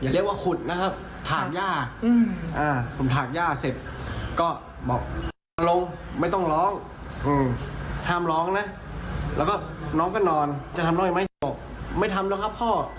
ตกใช่ไหมครับทั้งตัวเลยไหมครับ